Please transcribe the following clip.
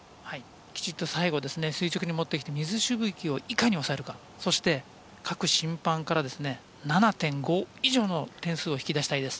きちっと最後垂直に持ってきて水しぶきをいかに抑えるかそして、各審判から７．５以上の点数を引き出したいです。